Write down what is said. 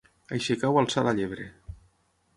Aixecar o alçar la llebre.